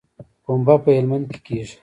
پنبه په هلمند کې کیږي